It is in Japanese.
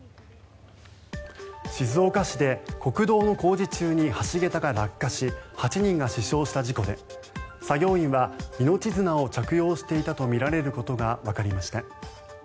静岡市で国道の工事中に橋桁が落下し８人が死傷した事故で作業員は命綱を着用していたとみられることがわかりました。